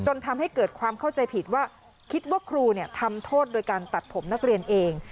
ทำให้เกิดความเข้าใจผิดว่าคิดว่าครูทำโทษโดยการตัดผมนักเรียนเอง